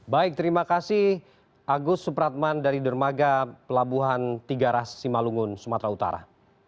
baik terima kasih agus supratman dari dermaga pelabuhan tiga ras simalungun sumatera utara